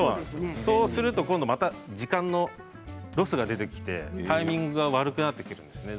そうすると今度また時間のロスが出てきてタイミングが悪くなってくるんですね